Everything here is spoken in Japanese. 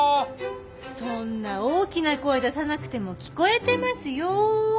そんな大きな声出さなくても聞こえてますよ。